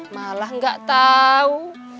malah gak tau